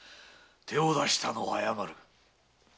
手を出したのは謝る。